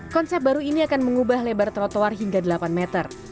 konsep baru ini akan mengubah lebar trotoar hingga delapan meter